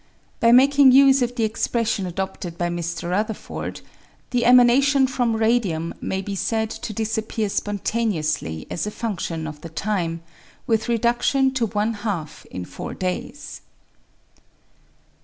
By making use of the expression adopted by Mr. Rutherford, the emanation from radium maybe said to dis appear spontaneously as a fundtion of the time, with reduc tion to one half in four days.